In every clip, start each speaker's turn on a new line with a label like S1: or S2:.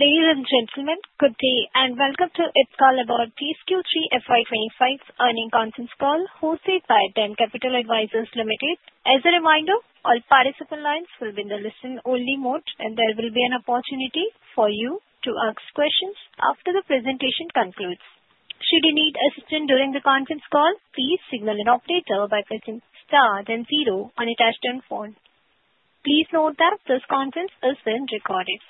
S1: Ladies and gentlemen, good day and welcome to Ipca Laboratories Q3 FY25 Earnings Conference Call hosted by DAM Capital Advisors Limited. As a reminder, all participant lines will be in the listen-only mode, and there will be an opportunity for you to ask questions after the presentation concludes. Should you need assistance during the conference call, please signal an operator by pressing star then zero on a touch-tone phone. Please note that this conference is being recorded.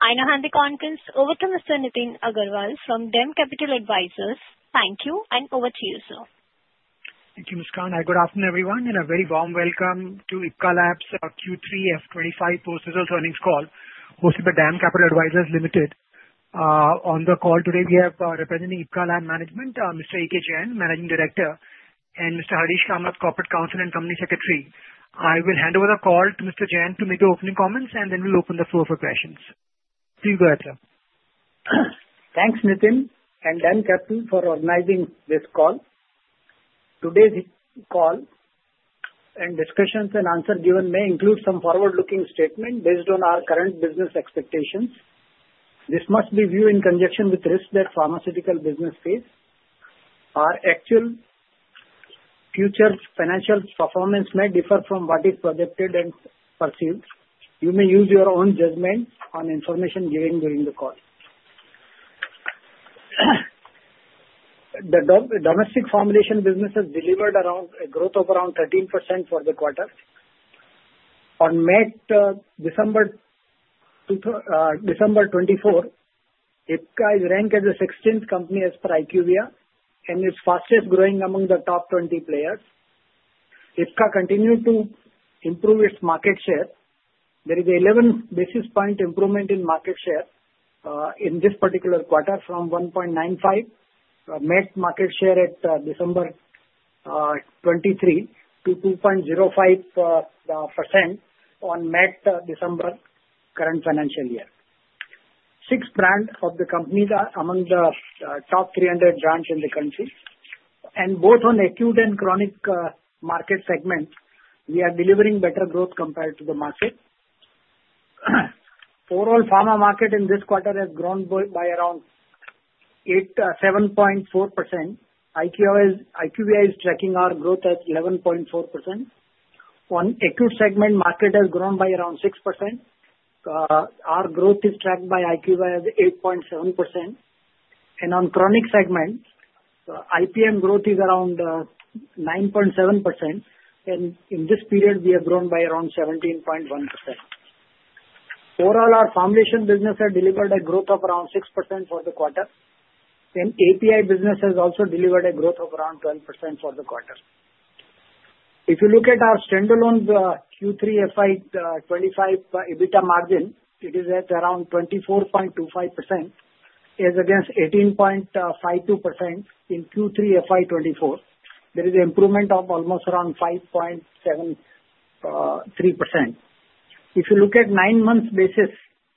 S1: I now hand the conference over to Mr. Nitin Agarwal from DAM Capital Advisors. Thank you, and over to you, sir.
S2: Thank you, Ms. Khan. Good afternoon, everyone, and a very warm welcome to Ipca Labs' Q3 FY25 Post-result Earnings Call hosted by DAM Capital Advisors Limited. On the call today, we have representing Ipca Labs Management, Mr. Ajit Jain, Managing Director, and Mr. Harish Kamath, Corporate Counsel and Company Secretary. I will hand over the call to Mr. Jain to make the opening comments, and then we'll open the floor for questions. Please go ahead, sir.
S3: Thanks, Nitin and DAM Capital for organizing this call. Today's call and discussions and answers given may include some forward-looking statements based on our current business expectations. This must be viewed in conjunction with the risks that pharmaceutical business faces. Our actual future financial performance may differ from what is projected and perceived. You may use your own judgment on information given during the call. The domestic formulation business has delivered a growth of around 13% for the quarter. On December 2024, Ipca is ranked as the 16th company as per IQVIA and is fastest growing among the top 20 players. Ipca continued to improve its market share. There is an 11 basis point improvement in market share in this particular quarter from 1.95% net market share at December 2023 to 2.05% on end-December current financial year. Six brands of the company are among the top 300 brands in the country, and both on acute and chronic market segments, we are delivering better growth compared to the market. Overall, the pharma market in this quarter has grown by around 7.4%. IQVIA is tracking our growth at 11.4%. On acute segment, the market has grown by around 6%. Our growth is tracked by IQVIA at 8.7%, and on chronic segment, IPM growth is around 9.7%, and in this period, we have grown by around 17.1%. Overall, our formulation business has delivered a growth of around 6% for the quarter, and API business has also delivered a growth of around 12% for the quarter. If you look at our standalone Q3 FY25 EBITDA margin, it is at around 24.25%, as against 18.52% in Q3 FY24. There is an improvement of almost around 5.73%. If you look at the nine-month basis,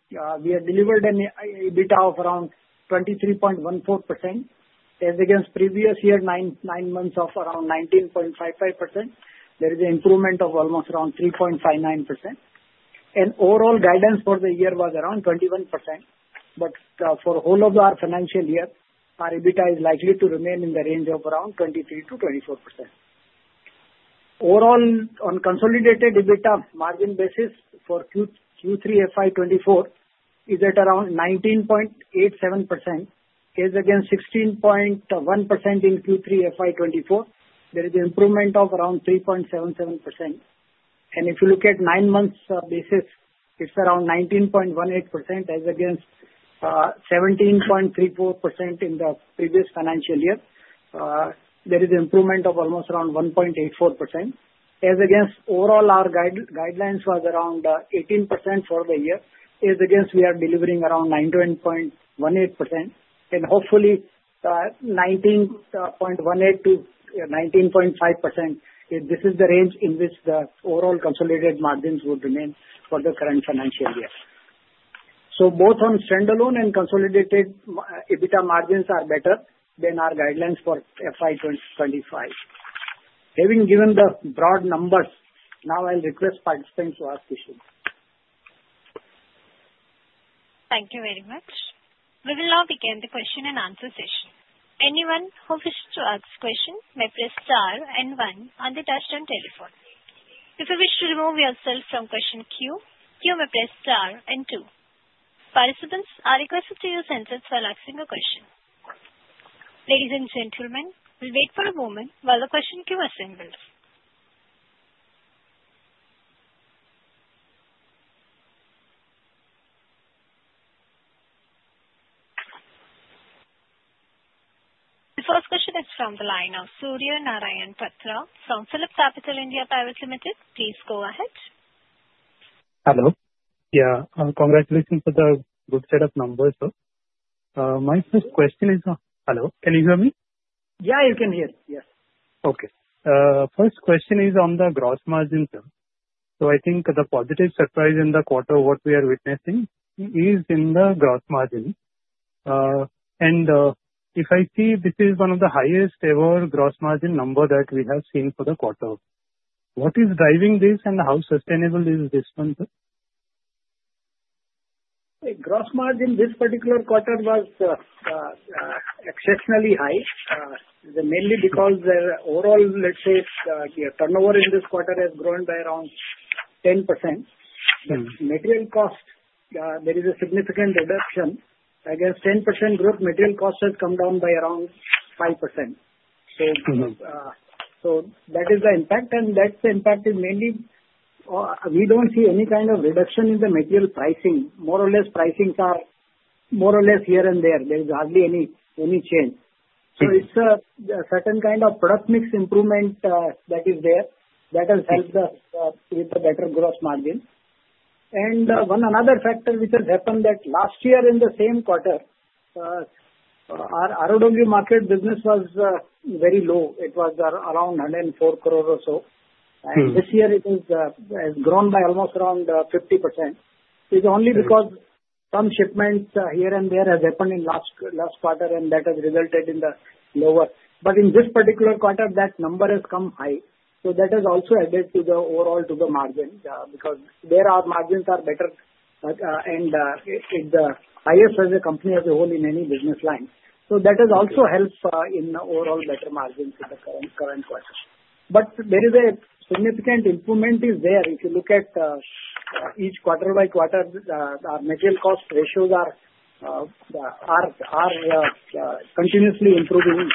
S3: we have delivered an EBITDA of around 23.14%, as against the previous year's nine months of around 19.55%. There is an improvement of almost around 3.59%, and overall, the guidance for the year was around 21%. But for the whole of our financial year, our EBITDA is likely to remain in the range of around 23%-24%. Overall, on consolidated EBITDA margin basis for Q3 FY24, it is at around 19.87%, as against 16.1% in Q3 FY24. There is an improvement of around 3.77%, and if you look at the nine-month basis, it's around 19.18%, as against 17.34% in the previous financial year. There is an improvement of almost around 1.84%, as against overall our guidelines was around 18% for the year, as against we are delivering around 19.18%. Hopefully, 19.18% to 19.5%, this is the range in which the overall consolidated margins would remain for the current financial year. Both on standalone and consolidated EBITDA margins are better than our guidelines for FY25. Having given the broad numbers, now I'll request participants to ask questions.
S1: Thank you very much. We will now begin the question and answer session. Anyone who wishes to ask a question may press star and one on the touch-tone telephone. If you wish to remove yourself from the queue, you may press star and two. Participants, I request that you use handsets while asking a question. Ladies and gentlemen, we'll wait for a moment while the queue assembles. The first question is from the line of Surya Narayan Patra from PhillipCapital India Private Limited. Please go ahead.
S4: Hello. Yeah. Congratulations for the good set of numbers, sir. My first question is, hello, can you hear me?
S3: Yeah, you can hear. Yes.
S4: Okay. First question is on the gross margin, sir, so I think the positive surprise in the quarter of what we are witnessing is in the gross margin, and if I see this is one of the highest-ever gross margin numbers that we have seen for the quarter. What is driving this, and how sustainable is this one, sir?
S3: The gross margin this particular quarter was exceptionally high. Mainly because overall, let's say, the turnover in this quarter has grown by around 10%. But material cost, there is a significant reduction. Against 10% growth, material cost has come down by around 5%. So that is the impact. And that impact is mainly we don't see any kind of reduction in the material pricing. More or less, pricings are more or less here and there. There is hardly any change. So it's a certain kind of product mix improvement that is there that has helped us with the better gross margin. And one other factor which has happened that last year in the same quarter, our ROW market business was very low. It was around 104 crores or so. And this year, it has grown by almost around 50%. It's only because some shipments here and there have happened in the last quarter, and that has resulted in the lower. But in this particular quarter, that number has come high. So that has also added to the overall margin because there our margins are better, and it's the highest as a company as a whole in any business line. So that has also helped in the overall better margins in the current quarter. But there is a significant improvement there. If you look at each quarter by quarter, our material cost ratios are continuously improving.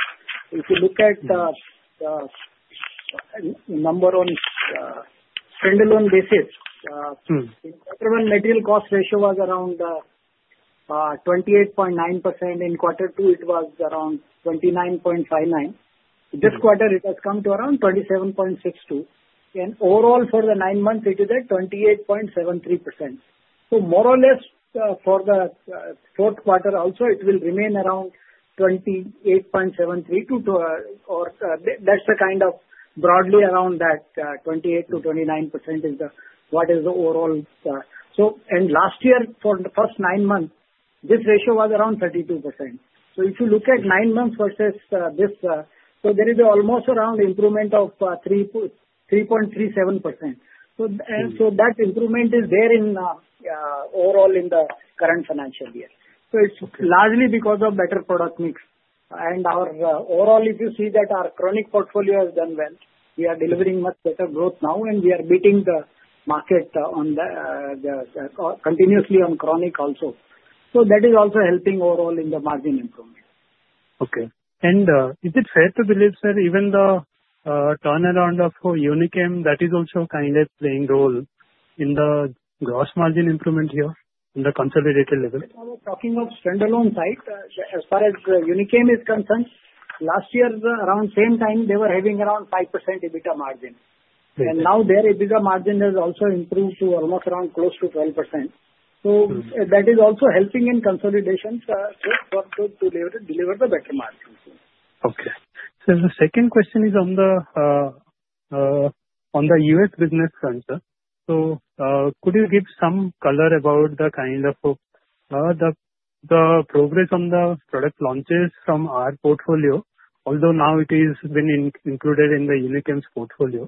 S3: If you look at the number on standalone basis, the quarter one material cost ratio was around 28.9%. In quarter two, it was around 29.59%. This quarter, it has come to around 27.62%. And overall, for the nine months, it is at 28.73%. So more or less, for the fourth quarter also, it will remain around 28.73%. That's the kind of broadly around that 28%-29% is what is the overall. And last year, for the first nine months, this ratio was around 32%. So if you look at nine months versus this, so there is almost around improvement of 3.37%. So that improvement is there overall in the current financial year. So it's largely because of better product mix. And overall, if you see that our chronic portfolio has done well, we are delivering much better growth now, and we are beating the market continuously on chronic also. So that is also helping overall in the margin improvement.
S4: Okay, and is it fair to believe, sir, even the turnaround of Unichem, that is also kind of playing a role in the gross margin improvement here on the consolidated level?
S3: If I was talking of standalone side, as far as Unichem is concerned, last year, around same time, they were having around 5% EBITDA margin. And now their EBITDA margin has also improved to almost around close to 12%. So that is also helping in consolidation to deliver the better margins.
S4: Okay. The second question is on the U.S. business front, sir. So could you give some color about the kind of progress on the product launches from our portfolio, although now it has been included in the Unichem's portfolio?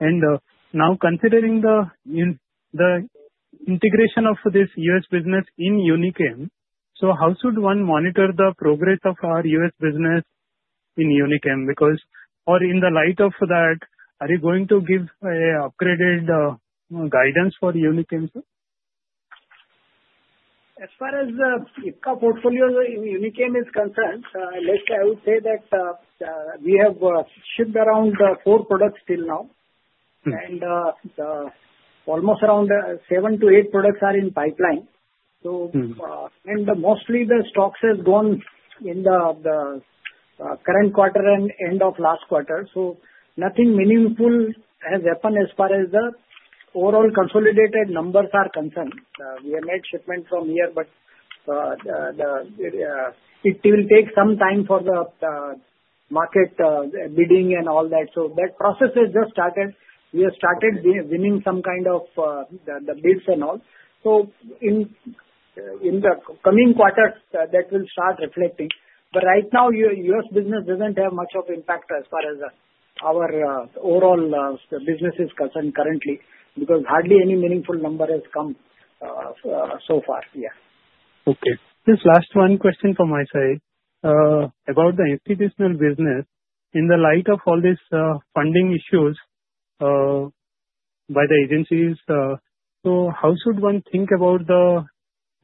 S4: And now, considering the integration of this U.S. business in Unichem, so how should one monitor the progress of our U.S. business in Unichem? Because in the light of that, are you going to give an upgraded guidance for Unichem, sir?
S3: As far as Ipca portfolio in Unichem is concerned, I would say that we have shipped around four products till now, and almost around seven to eight products are in pipeline, and mostly, the stocks have gone in the current quarter and end of last quarter, so nothing meaningful has happened as far as the overall consolidated numbers are concerned. We have made shipments from here, but it will take some time for the market bidding and all that, so that process has just started. We have started winning some kind of the bids and all, so in the coming quarters, that will start reflecting. But right now, U.S. business doesn't have much of an impact as far as our overall business is concerned currently because hardly any meaningful number has come so far. Yeah.
S4: Okay. Just last one question from my side about the institutional business. In the light of all these funding issues by the agencies, so how should one think about the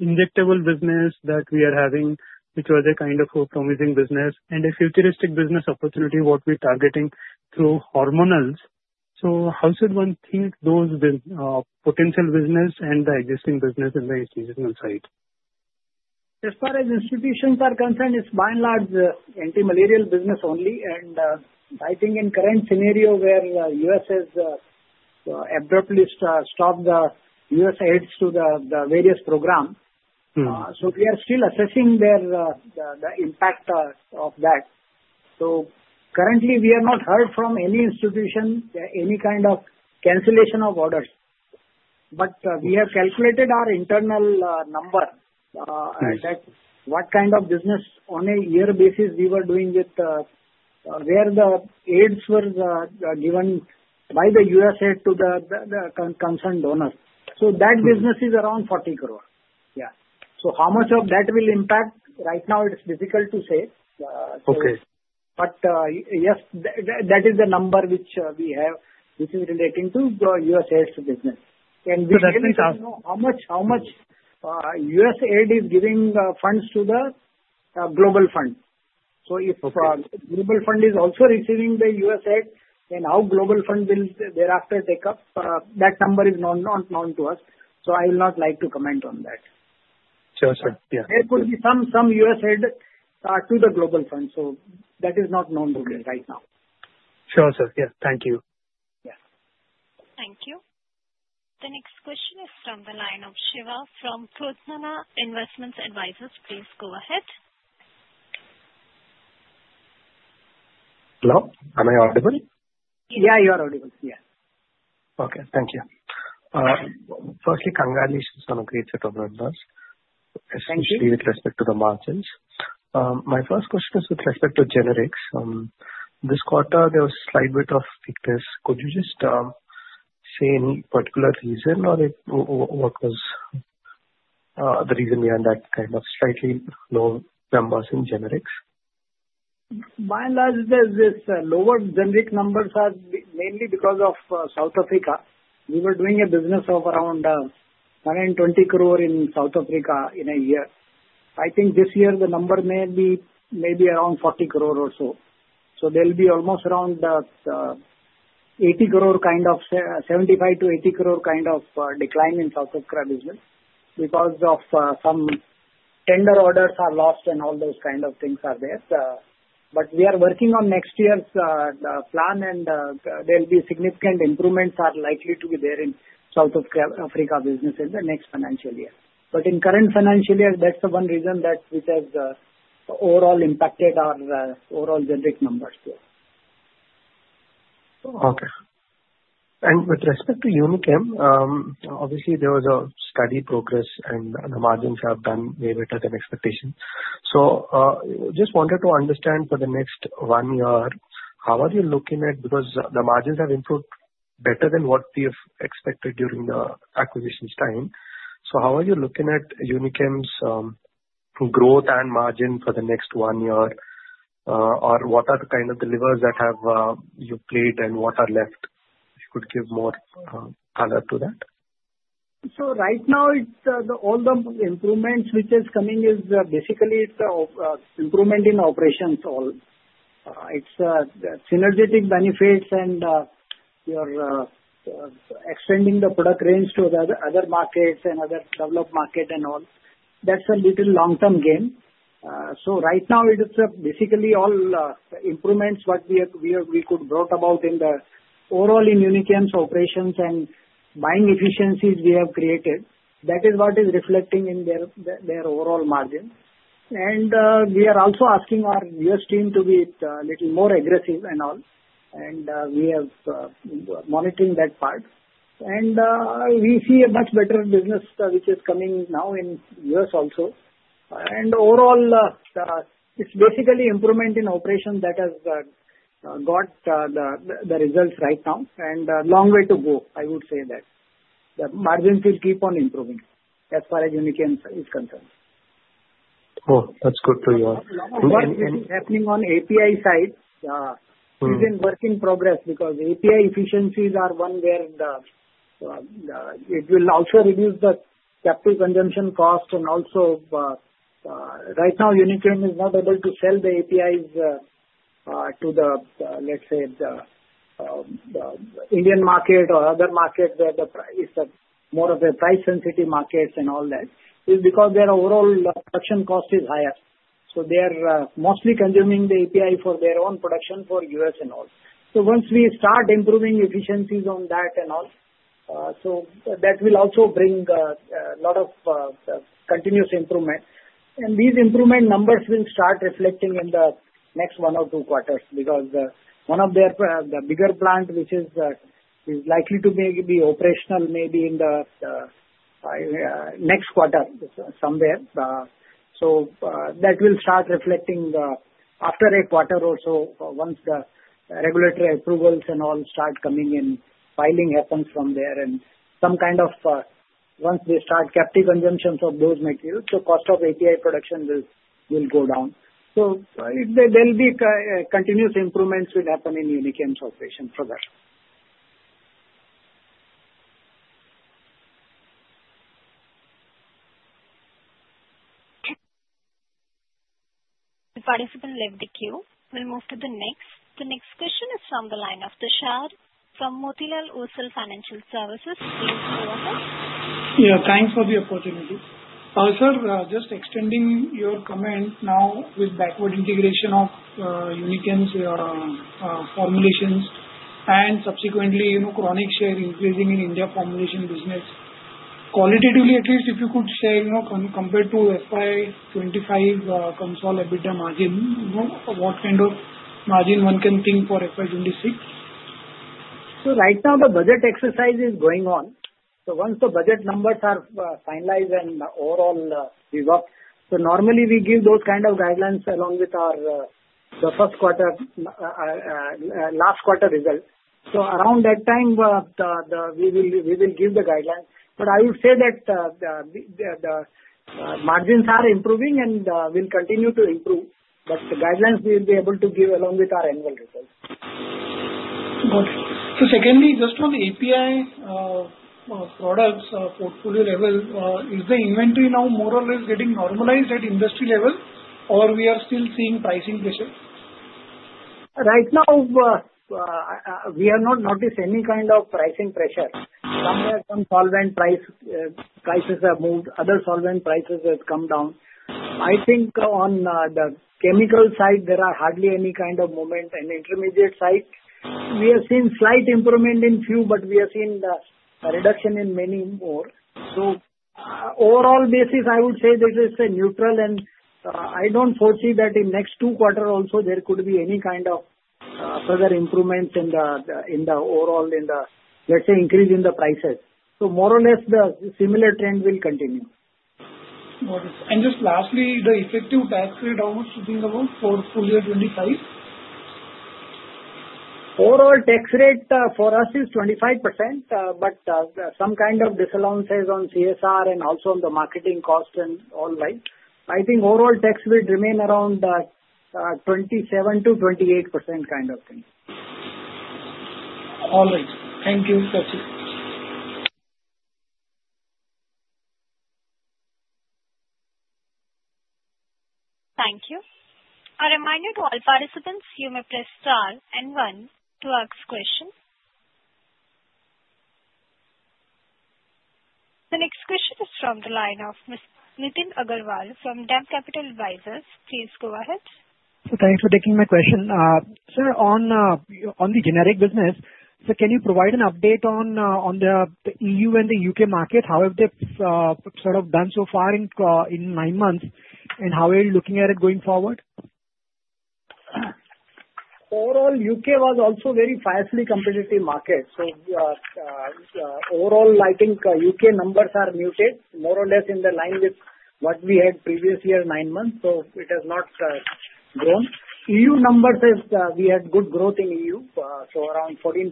S4: injectable business that we are having, which was a kind of a promising business and a futuristic business opportunity what we are targeting through hormonals? So how should one think of those potential business and the existing business in the institutional side?
S3: As far as institutions are concerned, it's by and large antimalarial business only, and I think in the current scenario where the U.S. has abruptly stopped the USAID to the various programs, so we are still assessing the impact of that, so currently, we have not heard from any institution, any kind of cancellation of orders, but we have calculated our internal number, what kind of business on a year basis we were doing with where the aid was given by the USAID to the concerned donor, so that business is around 40 crores, yeah, so how much of that will impact? Right now, it's difficult to say, but yes, that is the number which we have, which is relating to the USAID business, and we actually know how much USAID is giving funds to the Global Fund. So if the Global Fund is also receiving the USAID, then how Global Fund will thereafter take up, that number is not known to us. So I will not like to comment on that.
S4: Sure, sure. Yeah.
S3: There could be some USAID to the Global Fund. So that is not known to me right now.
S4: Sure, sir. Yeah. Thank you.
S3: Yeah.
S1: Thank you. The next question is from the line of Shiva from Purnartha Investment Advisers. Please go ahead.
S5: Hello. Am I audible?
S3: Yeah, you are audible. Yeah.
S5: Okay. Thank you. Firstly, congratulations on a great set of numbers, especially with respect to the margins. My first question is with respect to generics. This quarter, there was a slight bit of weakness. Could you just say any particular reason, or what was the reason behind that kind of slightly low numbers in generics?
S3: By and large, there's this lower generic numbers mainly because of South Africa. We were doing a business of around 120 crores in South Africa in a year. I think this year, the number may be around 40 crores or so. So there'll be almost around 80 crores kind of 75-80 crores kind of decline in South Africa business because of some tender orders are lost and all those kind of things are there. But we are working on next year's plan, and there'll be significant improvements that are likely to be there in South Africa business in the next financial year. But in the current financial year, that's the one reason that has overall impacted our overall generic numbers here.
S5: Okay. And with respect to Unichem, obviously, there was a steady progress, and the margins have done way better than expectations. So just wanted to understand for the next one year, how are you looking at because the margins have improved better than what we have expected during the acquisition's time. So how are you looking at Unichem's growth and margin for the next one year, or what are the kind of deliverables that you've planned and what are left? If you could give more color to that.
S3: So right now, all the improvements which are coming is basically improvement in operations all. It's synergistic benefits and you're extending the product range to other markets and other developed markets and all. That's a little long-term game. So right now, it is basically all improvements what we could brought about in the overall in Unichem's operations and buying efficiencies we have created. That is what is reflecting in their overall margin. And we are also asking our U.S. team to be a little more aggressive and all. And we have monitoring that part. And we see a much better business which is coming now in U.S. also. And overall, it's basically improvement in operations that has got the results right now. And long way to go, I would say that. The margins will keep on improving as far as Unichem is concerned.
S5: Oh, that's good to hear.
S3: A lot of improvement is happening on API side. It's a work in progress because API efficiencies are one where it will also reduce the capital consumption cost. And also, right now, Unichem is not able to sell the APIs to the, let's say, the Indian market or other markets where it's more of a price-sensitive market and all that. It's because their overall production cost is higher. So they are mostly consuming the API for their own production for U.S. and all. So once we start improving efficiencies on that and all, so that will also bring a lot of continuous improvement. And these improvement numbers will start reflecting in the next one or two quarters because one of their bigger plants, which is likely to be operational maybe in the next quarter somewhere. That will start reflecting after a quarter or so once the regulatory approvals and all start coming in, filing happens from there. And some kind of once they start captive consumptions of those materials, the cost of API production will go down. So there'll be continuous improvements will happen in Unichem's operations for that.
S1: The participant left the queue. We'll move to the next. The next question is from the line of Tushar from Motilal Oswal Financial Services, please go ahead.
S6: Yeah. Thanks for the opportunity. Sir, just extending your comment now with backward integration of Unichem's formulations and subsequently chronic share increasing in India formulation business. Qualitatively, at least, if you could say compared to FY25 consolidated EBITDA margin, what kind of margin one can think for FY26?
S3: So right now, the budget exercise is going on. So once the budget numbers are finalized and overall we work, so normally, we give those kind of guidelines along with the last quarter result. So around that time, we will give the guidelines. But I would say that the margins are improving and will continue to improve. But the guidelines we will be able to give along with our annual results.
S6: Got it. So secondly, just on the API products portfolio level, is the inventory now more or less getting normalized at industry level, or we are still seeing pricing pressure?
S3: Right now, we have not noticed any kind of pricing pressure. Somewhere, some solvent prices have moved. Other solvent prices have come down. I think on the chemical side, there are hardly any kind of movement. And intermediate side, we have seen slight improvement in few, but we have seen a reduction in many more. So overall basis, I would say this is a neutral, and I don't foresee that in the next two quarters also there could be any kind of further improvements in the overall, let's say, increase in the prices. So more or less, the similar trend will continue.
S6: Got it. And just lastly, the effective tax rate, how much do you think about for FY25?
S3: Overall tax rate for us is 25%, but some kind of disallowances on CSR and also on the marketing cost and all right. I think overall tax will remain around 27%-28% kind of thing.
S6: All right. Thank you.
S1: Thank you. A reminder to all participants, you may press star and one to ask question. The next question is from the line of Nitin Agarwal from DAM Capital Advisors. Please go ahead.
S7: Thanks for taking my question. Sir, on the generic business, can you provide an update on the EU and the U.K. market, how have they sort of done so far in nine months, and how are you looking at it going forward?
S3: Overall, U.K. was also very fiercely competitive market. So overall, I think U.K. numbers are muted, more or less in the line with what we had previous year nine months. So it has not grown. EU numbers is we had good growth in EU. So around 14%-15%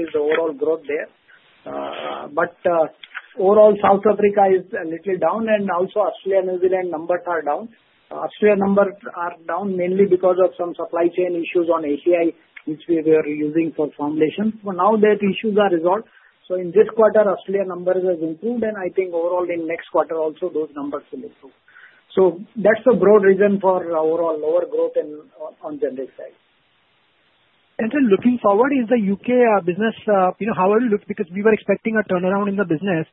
S3: is the overall growth there. But overall, South Africa is a little down, and also Australia and New Zealand numbers are down. Australia numbers are down mainly because of some supply chain issues on API, which we were using for formulations. But now that issues are resolved, so in this quarter, Australia numbers have improved, and I think overall in next quarter also those numbers will improve. So that's the broad reason for overall lower growth on generic side.
S7: And then looking forward, is the U.K. business how are you looking because we were expecting a turnaround in the business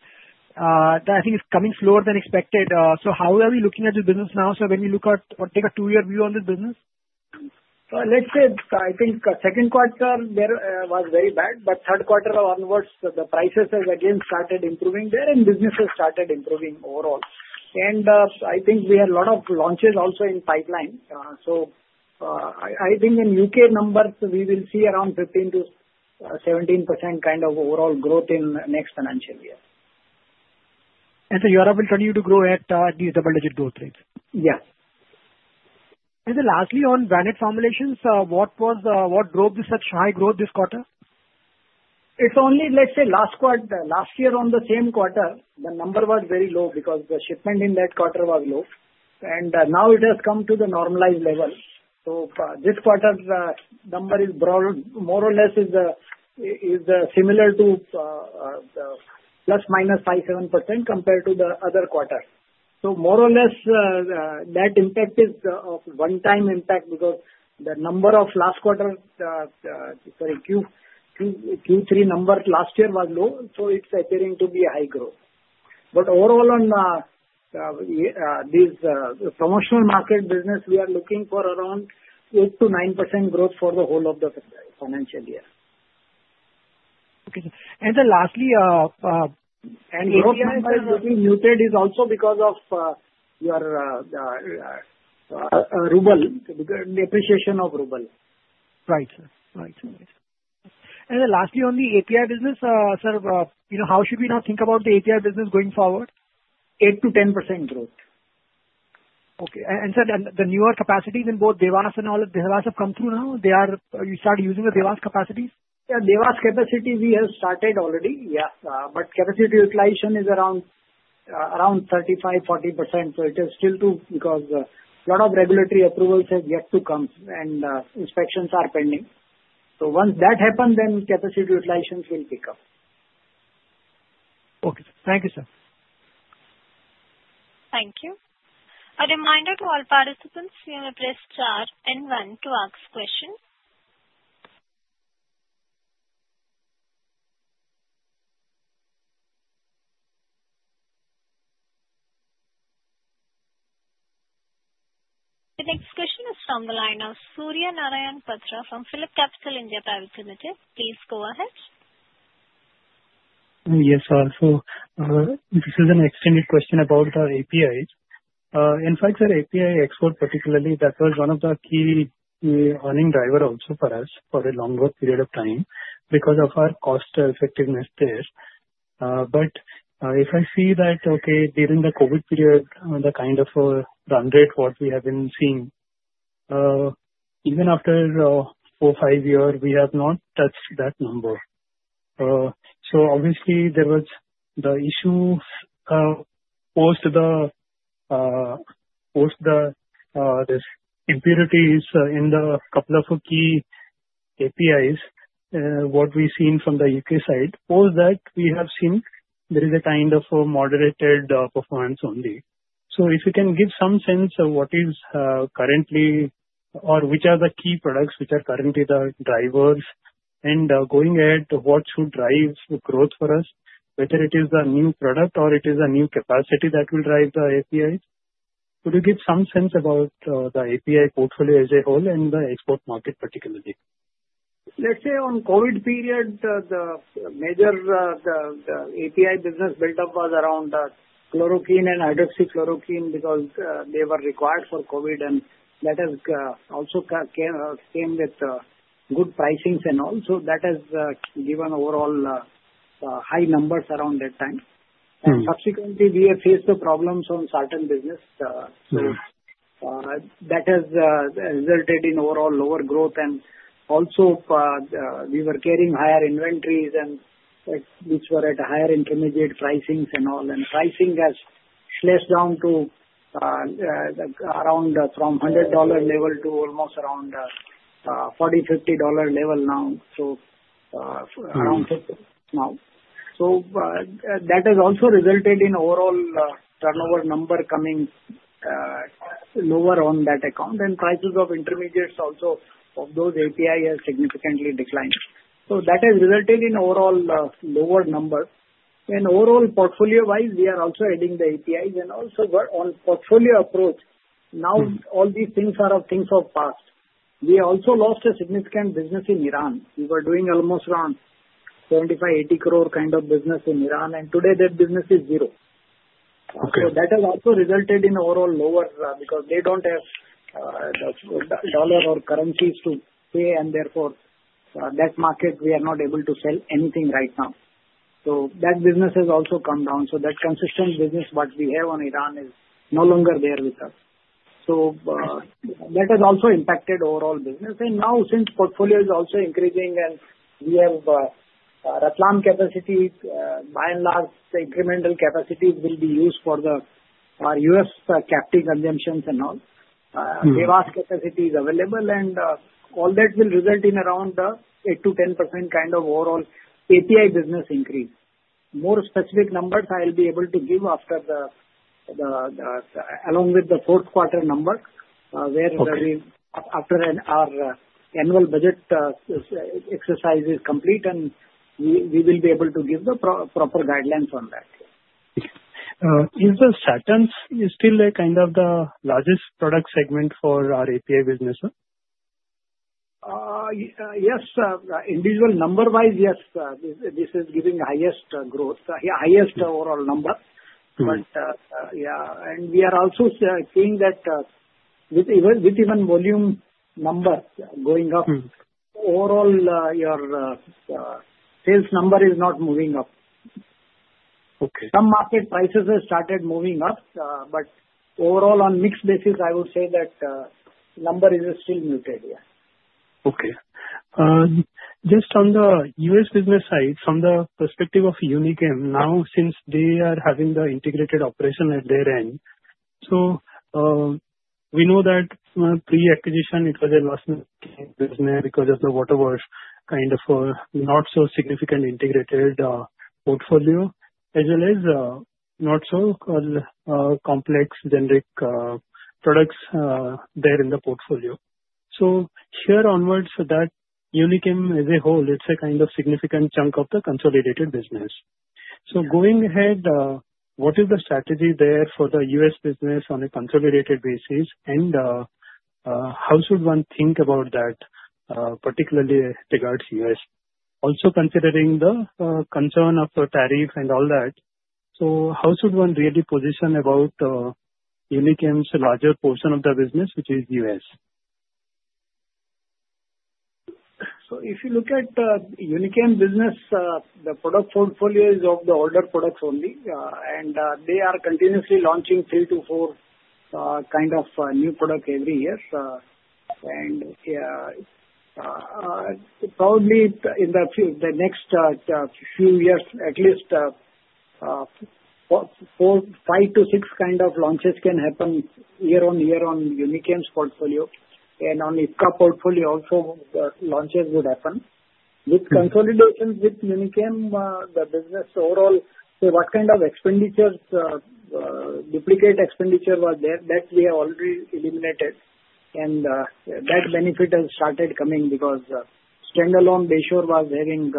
S7: that I think is coming slower than expected. So how are we looking at the business now, sir, when we look at or take a two-year view on the business?
S3: Let's say I think second quarter was very bad, but third quarter onwards, the prices have again started improving there, and business has started improving overall. And I think we have a lot of launches also in pipeline. So I think in U.K. numbers, we will see around 15%-17% kind of overall growth in the next financial year.
S7: And so Europe will continue to grow at these double-digit growth rates?
S3: Yes.
S7: And then lastly, on generic formulations, what drove such high growth this quarter?
S3: It's only, let's say, last year on the same quarter, the number was very low because the shipment in that quarter was low. And now it has come to the normalized level. So this quarter's number is more or less similar to plus minus 5-7% compared to the other quarter. So more or less, that impact is of one-time impact because the number of last quarter sorry, Q3 number last year was low. So it's appearing to be a high growth. But overall, on these promotional market business, we are looking for around 8-9% growth for the whole of the financial year.
S7: Okay. And then lastly, the.
S3: The API side will be muted, is also because of the appreciation of Ruble.
S7: Right. And then lastly, on the API business, sir, how should we now think about the API business going forward?
S3: 8%-10% growth.
S7: Okay. And sir, the newer capacities in both Dewas and all, have Dewas come through now? You start using the Dewas capacities?
S3: Yeah. Dewas capacity we have started already. Yeah. But capacity utilization is around 35%-40%. It is still low because a lot of regulatory approvals have yet to come, and inspections are pending. Once that happens, then capacity utilizations will pick up.
S7: Okay. Thank you, sir.
S1: Thank you. A reminder to all participants, you may press star and one to ask question. The next question is from the line of Surya Narayan Patra from PhillipCapital India Private Limited. Please go ahead.
S4: Yes, sir, so this is an extended question about our APIs. In fact, sir, API export particularly, that was one of the key earnings drivers also for us for a longer period of time because of our cost effectiveness there. But if I see that, okay, during the COVID period, the kind of run rate what we have been seeing, even after four, five years, we have not touched that number. So obviously, there was the issue post the impurities in the couple of key APIs, what we've seen from the U.K. side, post that, we have seen there is a kind of moderated performance only. So if you can give some sense of what is currently or which are the key products which are currently the drivers and going ahead to what should drive growth for us, whether it is a new product or it is a new capacity that will drive the APIs, could you give some sense about the API portfolio as a whole and the export market particularly?
S3: Let's say on COVID period, the major API business buildup was around chloroquine and hydroxychloroquine because they were required for COVID, and that has also came with good pricings and all. So that has given overall high numbers around that time. And subsequently, we have faced the problems on certain business. So that has resulted in overall lower growth. And also, we were carrying higher inventories and which were at higher intermediate pricings and all. And pricing has sliced down to around from $100 level to almost around $40, $50 level now, so around $50 now. So that has also resulted in overall turnover number coming lower on that account. And prices of intermediates also of those APIs have significantly declined. So that has resulted in overall lower numbers. And overall portfolio-wise, we are also adding the APIs. And also, on portfolio approach, now all these things are things of past. We also lost a significant business in Iran. We were doing almost around 75-80 crore kind of business in Iran, and today that business is zero. So that has also resulted in overall lower because they don't have dollar or currencies to pay, and therefore, that market we are not able to sell anything right now. So that business has also come down. So that consistent business what we have on Iran is no longer there with us. So that has also impacted overall business. And now, since portfolio is also increasing and we have idle capacity, by and large, incremental capacities will be used for our U.S. captive consumptions and all. Dewas capacity is available, and all that will result in around 8%-10% kind of overall API business increase. More specific numbers I'll be able to give after, along with the fourth quarter number, whereafter our annual budget exercise is complete, and we will be able to give the proper guidelines on that.
S4: Is the statins still kind of the largest product segment for our API business?
S3: Yes. Individual number-wise, yes. This is giving the highest growth, highest overall number, but yeah, and we are also seeing that with even volume number going up, overall your sales number is not moving up. Some market prices have started moving up, but overall, on mixed basis, I would say that number is still muted. Yeah.
S4: Okay. Just on the U.S. business side, from the perspective of Unichem, now since they are having the integrated operation at their end, so we know that pre-acquisition, it was a loss-making business. Because of the watered-down kind of not so significant integrated portfolio, as well as not so complex generic products there in the portfolio. So here onwards, that Unichem as a whole, it's a kind of significant chunk of the consolidated business. So going ahead, what is the strategy there for the U.S. business on a consolidated basis, and how should one think about that, particularly regards US? Also considering the concern of tariff and all that, so how should one really position about Unichem's larger portion of the business, which is US?
S3: If you look at Unichem business, the product portfolio is of the older products only, and they are continuously launching three to four kind of new products every year. And probably in the next few years, at least five to six kind of launches can happen year on year on Unichem's portfolio. And on Ipca portfolio also, the launches would happen. With consolidation with Unichem, the business overall, what kind of expenditures, duplicate expenditure was there, that we have already eliminated. And that benefit has started coming because standalone Bayshore was having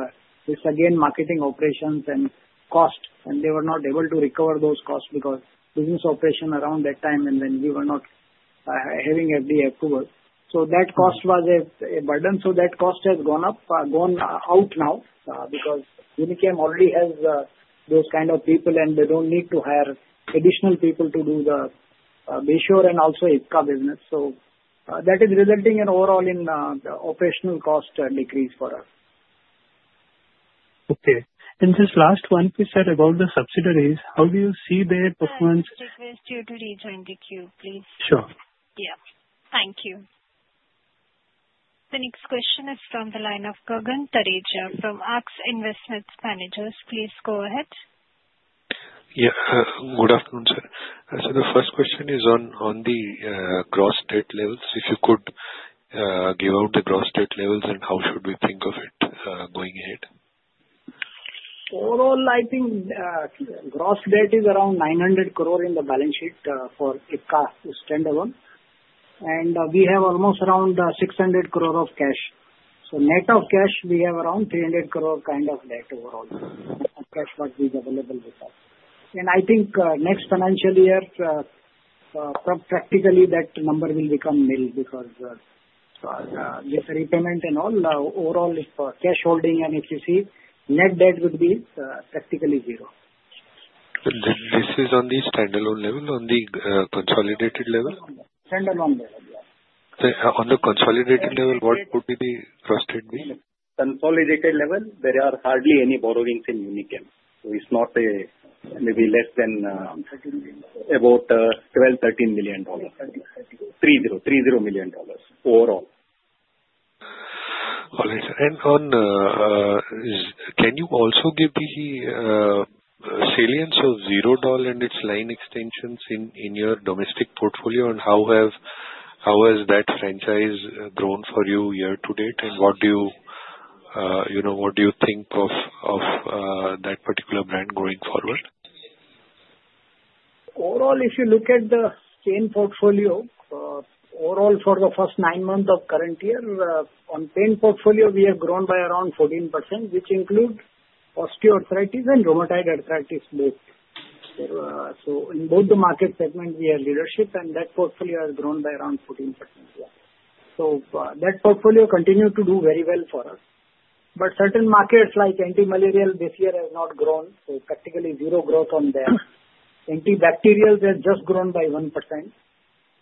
S3: this ongoing marketing operations and cost, and they were not able to recover those costs because business operation around that time, and then we were not having FDA approval. So that cost was a burden. So that cost has gone out now because Unichem already has those kind of people, and they don't need to hire additional people to do the Bayshore and also Ipca business. So that is resulting in overall in the operational cost decrease for us.
S4: Okay. And this last one piece about the subsidiaries, how do you see their performance?
S6: I'll just request you to return the queue, please.
S4: Sure.
S1: Yeah. Thank you. The next question is from the line of Gagan Thareja from ASK Investment Managers, please go ahead.
S8: Yeah. Good afternoon, sir. So the first question is on the gross debt levels. If you could give out the gross debt levels, and how should we think of it going ahead?
S3: Overall, I think gross debt is around 900 crore in the balance sheet for Ipca standalone. And we have almost around 600 crore of cash. So net of cash, we have around 300 crore kind of debt overall of cash what is available with us. And I think next financial year, practically that number will become nil because with repayment and all, overall cash holding and etc., net debt would be practically zero.
S8: This is on the standalone level, on the consolidated level?
S3: Standalone level, yes.
S8: On the consolidated level, what would be the gross debt?
S9: Consolidated level, there are hardly any borrowings in Unichem. So it's not maybe less than about $12 million-$13 million, $30 million overall.
S8: All right, sir. And can you also give the salience of Zerodol and its line extensions in your domestic portfolio, and how has that franchise grown for you year to date, and what do you think of that particular brand going forward?
S3: Overall, if you look at the same portfolio, overall for the first nine months of current year, on pain portfolio, we have grown by around 14%, which includes osteoarthritis and rheumatoid arthritis both. So in both the market segment, we have leadership, and that portfolio has grown by around 14%. So that portfolio continued to do very well for us. But certain markets like antimalarial this year has not grown, so practically zero growth on that. Antibacterials have just grown by 1%.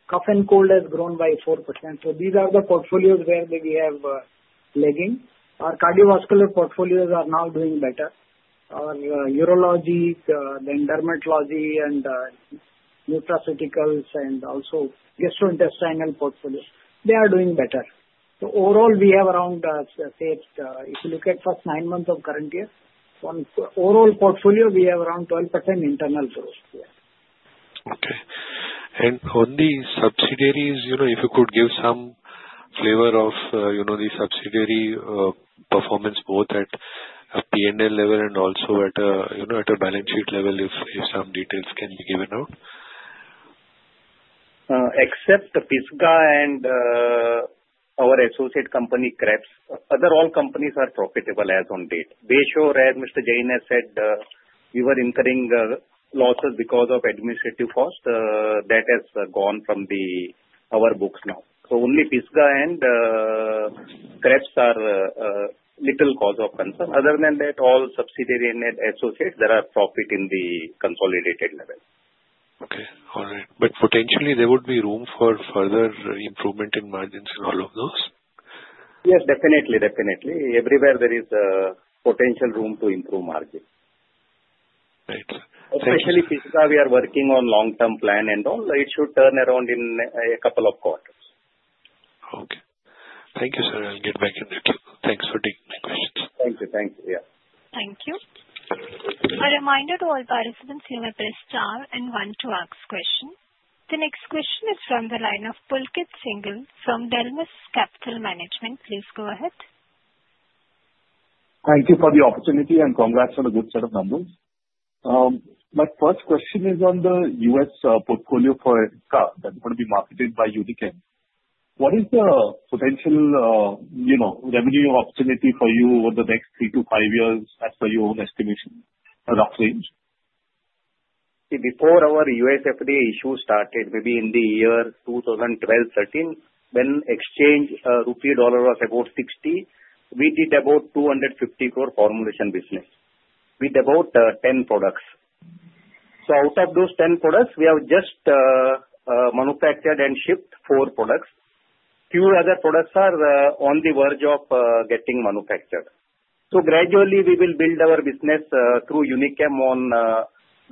S3: Cough and cold has grown by 4%. So these are the portfolios where we have lagging. Our cardiovascular portfolios are now doing better. Our urology, then dermatology, and nutraceuticals, and gastrointestinal portfolios, they are doing better. So overall, we have around, if you look at first nine months of current year, on overall portfolio, we have around 12% internal growth.
S8: Okay. And on the subsidiaries, if you could give some flavor of the subsidiary performance both at a P&L level and also at a balance sheet level, if some details can be given out.
S9: Except Ipca and our associate company Krebs, other all companies are profitable as on date. Bayshore, as Mr. Jain has said, we were incurring losses because of administrative cost. That has gone from our books now. So only Ipca and Krebs are little cause of concern. Other than that, all subsidiary and associates, there are profit in the consolidated level.
S8: Okay. All right. But potentially, there would be room for further improvement in margins in all of those?
S9: Yes, definitely. Definitely. Everywhere there is potential room to improve margin.
S8: Right.
S9: Especially Ipca, we are working on long-term plan and all. It should turn around in a couple of quarters.
S8: Okay. Thank you, sir. I'll get back in a bit. Thanks for taking my questions.
S9: Thank you. Thank you. Yeah.
S1: Thank you. A reminder to all participants, you may press star and one to ask question. The next question is from the line of Pulkit Singal from Dalmus Capital Management. Please go ahead.
S10: Thank you for the opportunity and congrats on a good set of numbers. My first question is on the U.S. portfolio for Ipca that's going to be marketed by Unichem. What is the potential revenue opportunity for you over the next three to five years as per your own estimation, a rough range?
S9: See, before our U.S. FDA issue started, maybe in the year 2012, 2013, when exchange rupee dollar was about 60, we did about 250 crore formulation business with about 10 products. So out of those 10 products, we have just manufactured and shipped four products. Few other products are on the verge of getting manufactured. So gradually, we will build our business through Unichem on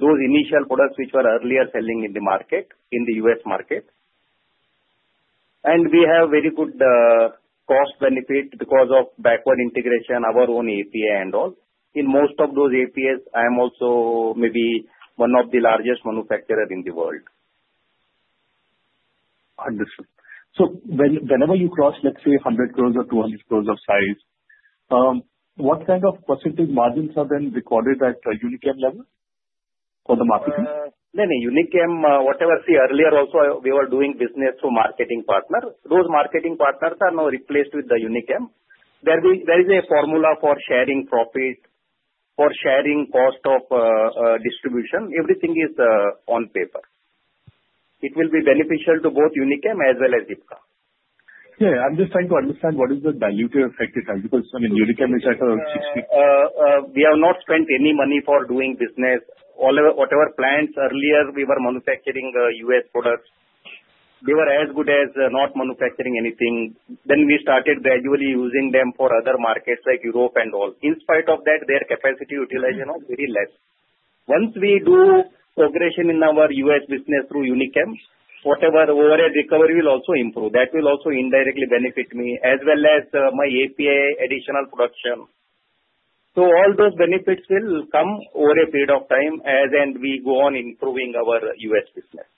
S9: those initial products which were earlier selling in the market, in the U.S. market. And we have very good cost benefit because of backward integration, our own API and all. In most of those APIs, I am also maybe one of the largest manufacturers in the world.
S10: Understood. So whenever you cross, let's say, 100 crores or 200 crores of size, what kind of percentage margins are then recorded at Unichem level for the marketing?
S9: No, no. Unichem, what I was saying earlier, also we were doing business through marketing partners. Those marketing partners are now replaced with the Unichem. There is a formula for sharing profit, for sharing cost of distribution. Everything is on paper. It will be beneficial to both Unichem as well as Ipca.
S10: Yeah. I'm just trying to understand what is the value to your effective time because, I mean, Unichem is at around 60.
S9: We have not spent any money for doing business. Whatever plants earlier, we were manufacturing U.S. products. They were as good as not manufacturing anything. Then we started gradually using them for other markets like Europe and all. In spite of that, their capacity utilization was very less. Once we do progression in our U.S. business through Unichem, whatever overhead recovery will also improve. That will also indirectly benefit me as well as my API additional production. So all those benefits will come over a period of time as we go on improving our U.S. business.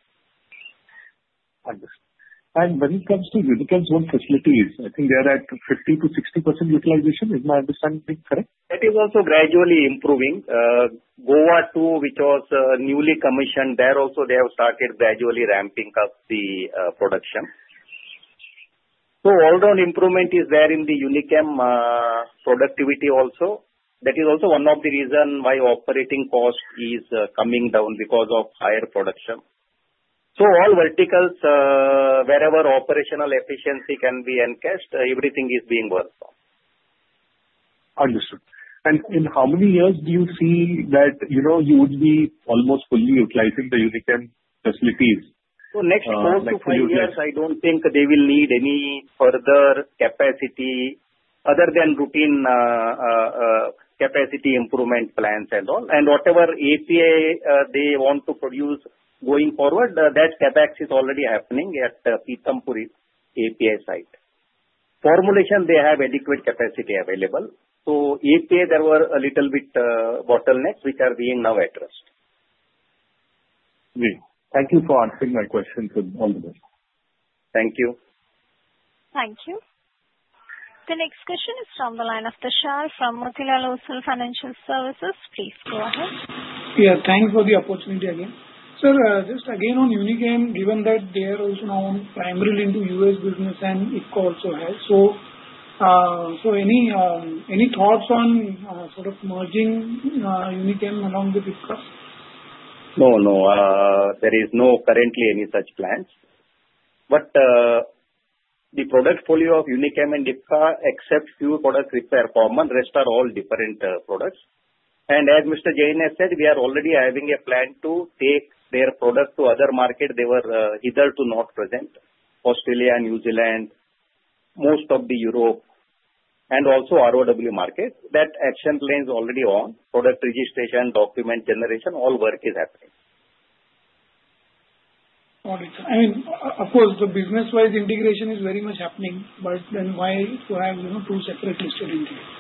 S10: Understood. And when it comes to Unichem's own facilities, I think they are at 50%-60% utilization. Is my understanding correct?
S9: That is also gradually improving. Goa 2, which was newly commissioned, there also they have started gradually ramping up the production. So all-round improvement is there in the Unichem productivity also. That is also one of the reasons why operating cost is coming down because of higher production. So all verticals, wherever operational efficiency can be encashed, everything is being worked on.
S10: Understood. And in how many years do you see that you would be almost fully utilizing the Unichem facilities?
S9: So next four to five years, I don't think they will need any further capacity other than routine capacity improvement plans and all. And whatever API they want to produce going forward, that CapEx is already happening at Pithampur API site. Formulation, they have adequate capacity available. So API, there were a little bit bottlenecks which are being now addressed.
S10: Great. Thank you for answering my questions. All the best.
S9: Thank you.
S1: Thank you. The next question is from the line of Tushar from Motilal Oswal Financial Services. Please go ahead.
S6: Yeah. Thanks for the opportunity again. Sir, just again on Unichem, given that they are also now primarily into U.S. business and Ipca also has, so any thoughts on sort of merging Unichem along with Ipca?
S9: No, no. There is currently no such plans. But the product portfolio of Unichem and Ipca, except few products which are common, the rest are all different products. And as Mr. Jain has said, we are already having a plan to take their products to other markets. They were hitherto not present: Australia, New Zealand, most of Europe, and also ROW markets. That action plan is already on. Product registration, document generation, all work is happening.
S6: All right. I mean, of course, the business-wise integration is very much happening, but then why to have two separate listed in there?
S9: No, no.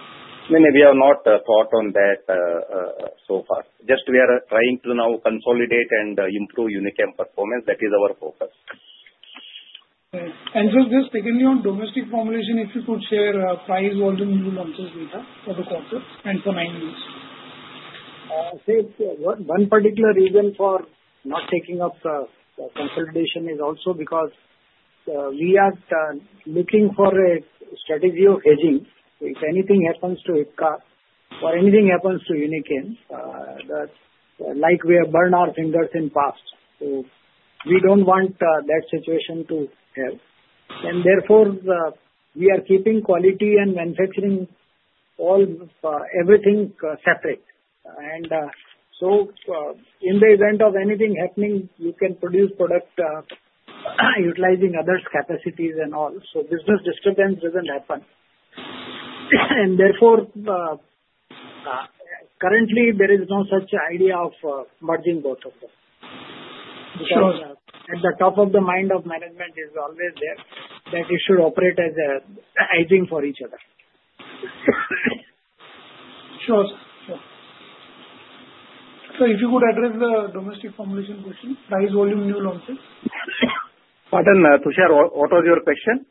S9: We have not thought on that so far. Just we are trying to now consolidate and improve Unichem performance. That is our focus.
S6: Just secondly, on domestic formulation, if you could share price volume new launches data for the quarters and for nine months?
S3: I think one particular reason for not taking up consolidation is also because we are looking for a strategy of hedging. If anything happens to Ipca or anything happens to Unichem, like we have burned our fingers in the past. So we don't want that situation to happen. And therefore, we are keeping quality and manufacturing everything separate. And so in the event of anything happening, you can produce product utilizing others' capacities and all. So business disturbance doesn't happen. And therefore, currently, there is no such idea of merging both of them. Because at the top of the mind of management is always there that it should operate as a hedging for each other.
S6: Sure. Sure. So if you could address the domestic formulation question, price volume new launches?
S9: Pardon, Tushar, what was your question?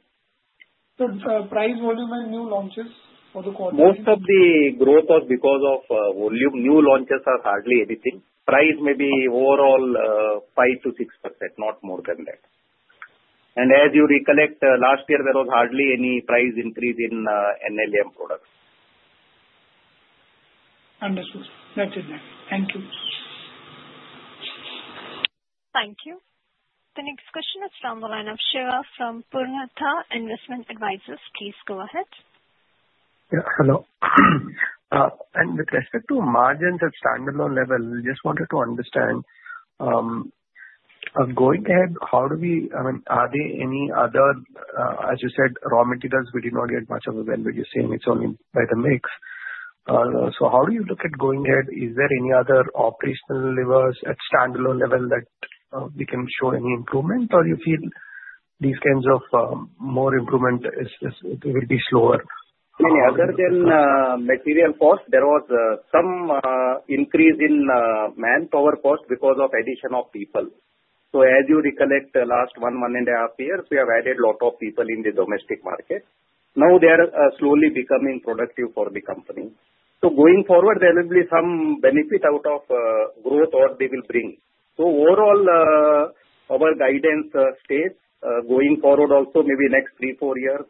S6: So, price, volume, and new launches for the quarter?
S9: Most of the growth was because of volume. New launches are hardly anything. Price may be overall 5%-6%, not more than that. As you recollect, last year, there was hardly any price increase in NLEM products.
S6: Understood. That's it, ma'am. Thank you.
S1: Thank you. The next question is from the line of Shiva from Purnartha Investment Advisers. Please go ahead.
S5: Yeah. Hello, and with respect to margins at standalone level, I just wanted to understand, going ahead, how do we, I mean, are there any other, as you said, raw materials we did not get much of a value? You're saying it's only by the mix. So how do you look at going ahead? Is there any other operational levers at standalone level that we can show any improvement, or you feel these kinds of more improvement will be slower?
S9: Other than material cost, there was some increase in manpower cost because of addition of people. So as you recollect, last one and a half years, we have added a lot of people in the domestic market. Now they are slowly becoming productive for the company. So going forward, there will be some benefit out of growth or they will bring. So overall, our guidance states going forward, also maybe next three, four years,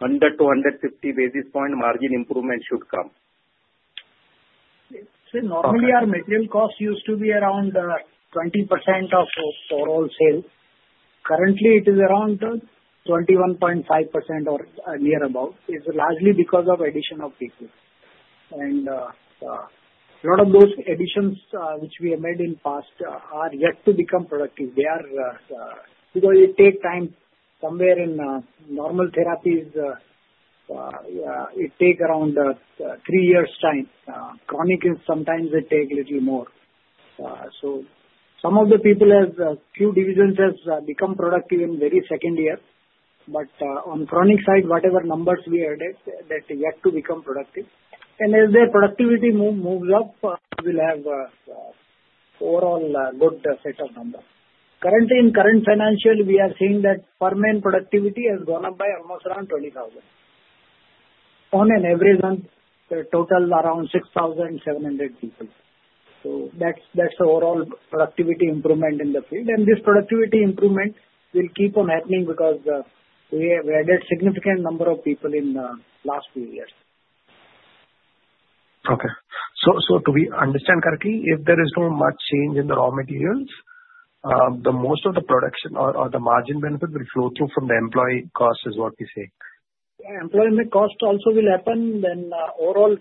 S9: 100 to 150 basis points margin improvement should come.
S3: So normally, our material cost used to be around 20% of overall sales. Currently, it is around 21.5% or near about. It's largely because of addition of people. And a lot of those additions which we have made in the past are yet to become productive. Because it takes time somewhere in normal therapies, it takes around three years' time. Chronic is sometimes it takes a little more. So some of the people have a few divisions that have become productive in very second year. But on the chronic side, whatever numbers we added, that yet to become productive. And as their productivity moves up, we'll have overall a good set of numbers. Currently, in current financial, we are seeing that per man productivity has gone up by almost around 20,000. On an average, on total, around 6,700 people. So that's overall productivity improvement in the field. This productivity improvement will keep on happening because we have added a significant number of people in the last few years.
S5: Okay. To be understood correctly, if there is not much change in the raw materials, most of the production or the margin benefit will flow through from the employee cost, is what we say.
S3: Yeah. Employment cost also will happen. Then overall,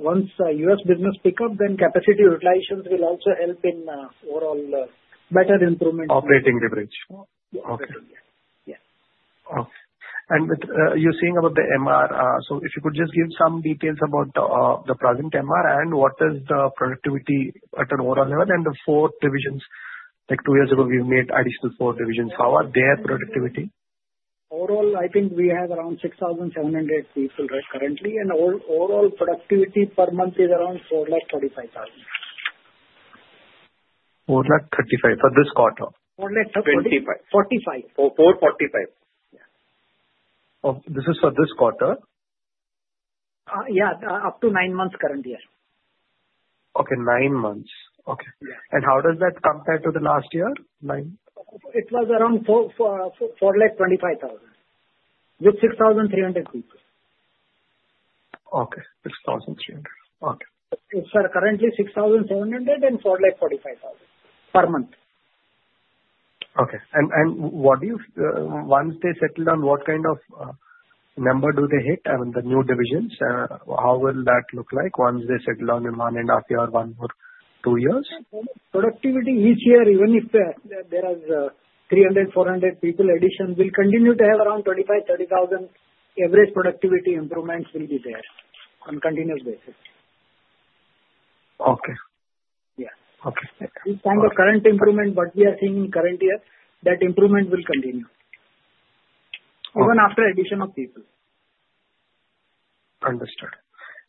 S3: once U.S. business picks up, then capacity utilization will also help in overall better improvement.
S9: Operating leverage.
S3: Yeah. Yeah.
S5: Okay. And you're saying about the MR. So if you could just give some details about the present MR and what is the productivity at an overall level and the four divisions. Like two years ago, we made additional four divisions. How are their productivity?
S9: Overall, I think we have around 6,700 people currently, and overall productivity per month is around 435,000.
S5: 435,000 for this quarter?
S3: 445.
S9: 445.
S3: 445. Yeah.
S5: Oh, this is for this quarter?
S3: Yeah. Up to nine months current year.
S5: Okay. Nine months. Okay. And how does that compare to the last year? Nine.
S3: It was around 425,000 with 6,300 people.
S5: Okay. 6,300. Okay.
S3: It's currently 6,700 and 445,000 per month.
S5: Okay. And once they settle down, what kind of number do they hit? I mean, the new divisions, how will that look like once they settle down in one and a half years, one or two years?
S3: Productivity each year, even if there are 300-400 people addition, will continue to have around 25,000-30,000. Average productivity improvements will be there on a continuous basis.
S5: Okay. Okay.
S3: This kind of current improvement, what we are seeing in current year, that improvement will continue even after addition of people.
S5: Understood.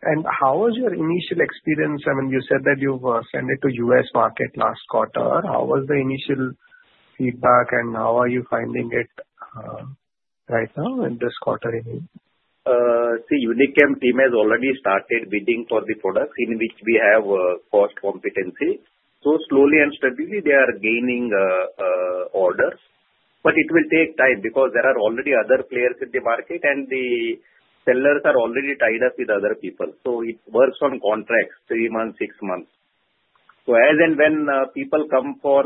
S5: And how was your initial experience? I mean, you said that you've sent it to U.S. market last quarter. How was the initial feedback, and how are you finding it right now in this quarter?
S9: See, Unichem team has already started bidding for the products in which we have cost competency. So slowly and steadily, they are gaining orders. But it will take time because there are already other players in the market, and the sellers are already tied up with other people. So it works on contracts, three months, six months. So as and when people come for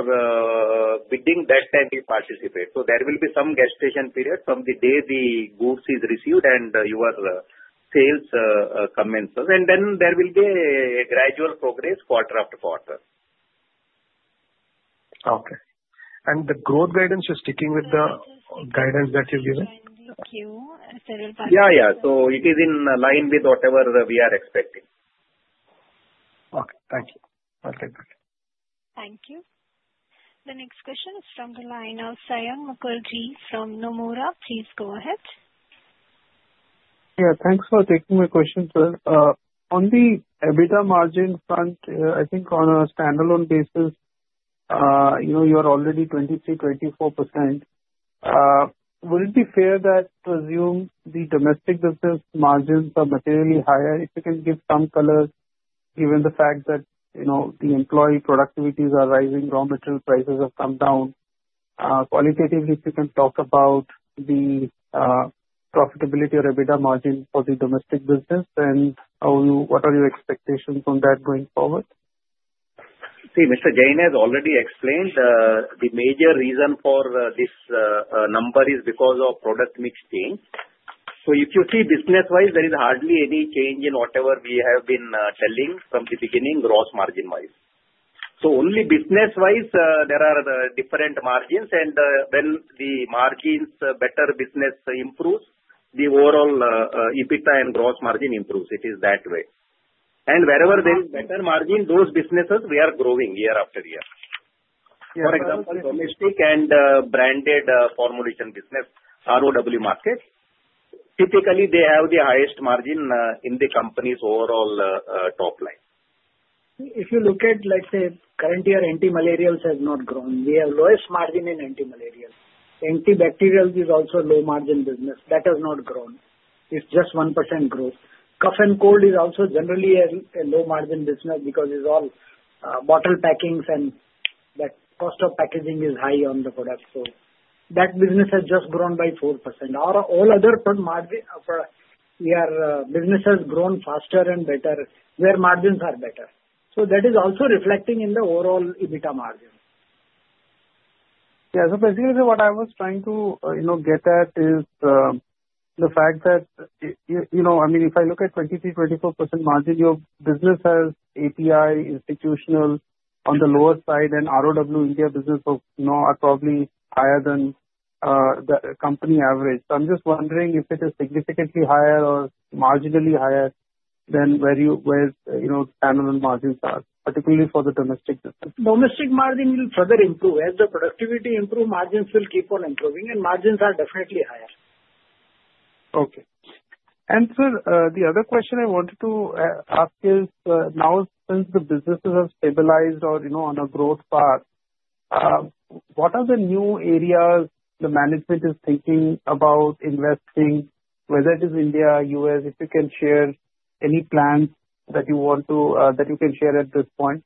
S9: bidding, that time we participate. So there will be some gestation period from the day the goods are received and your sales commence. And then there will be a gradual progress quarter after quarter.
S5: Okay, and the growth guidance, you're sticking with the guidance that you've given?
S1: Thank you.
S9: Yeah, yeah. So it is in line with whatever we are expecting.
S5: Okay. Thank you. Okay. Good.
S1: Thank you. The next question is from the line of Saion Mukherjee from Nomura. Please go ahead.
S11: Yeah. Thanks for taking my question, sir. On the EBITDA margin front, I think on a standalone basis, you are already 23%-24%. Would it be fair to assume the domestic business margins are materially higher? If you can give some colors, given the fact that the employee productivities are rising, raw material prices have come down, qualitatively, if you can talk about the profitability or EBITDA margin for the domestic business, then what are your expectations on that going forward?
S9: See, Mr. Jain has already explained the major reason for this number is because of product mix change. So if you see business-wise, there is hardly any change in whatever we have been telling from the beginning, gross margin-wise. So only business-wise, there are different margins. And when the margins are better, business improves, the overall EBITDA and gross margin improves. It is that way. And wherever there is better margin, those businesses are growing year after year. For example, domestic and branded formulation business, ROW market, typically they have the highest margin in the company's overall top line.
S3: If you look at, let's say, current year, anti-malarials have not grown. We have lowest margin in anti-malarials. Antibacterials is also a low-margin business. That has not grown. It's just 1% growth. Cough and cold is also generally a low-margin business because it's all bottle packings, and that cost of packaging is high on the product. So that business has just grown by 4%. All other businesses have grown faster and better where margins are better. So that is also reflecting in the overall EBITDA margin.
S11: Yeah. So basically, what I was trying to get at is the fact that, I mean, if I look at 23%-24% margin, your business has API institutional on the lower side, and ROW India business are probably higher than the company average. So I'm just wondering if it is significantly higher or marginally higher than where standalone margins are, particularly for the domestic business.
S3: Domestic margin will further improve. As the productivity improves, margins will keep on improving, and margins are definitely higher.
S11: Okay. And sir, the other question I wanted to ask is, now since the businesses have stabilized or are on a growth path, what are the new areas the management is thinking about investing, whether it is India, US? If you can share any plans that you can share at this point